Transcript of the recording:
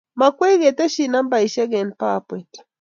Makwech keteshii nambeshiek eng Powerpoint